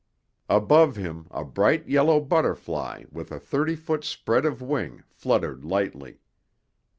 Above him, a bright yellow butterfly with a thirty foot spread of wing, fluttered lightly.